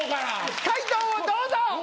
解答をどうぞ！